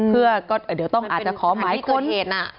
เพื่อเดี๋ยวต้องอาจจะขอหมายค้น